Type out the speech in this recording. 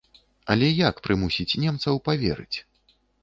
Але як прымусіць немцаў паверыць?